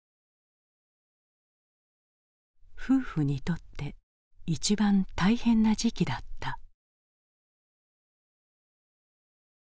夫婦にとって一番大変な時期だった。